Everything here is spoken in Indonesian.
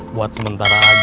buat sementara aja